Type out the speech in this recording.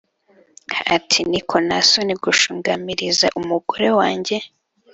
ati” niko ntasoni gushungamiriza umugore wanjye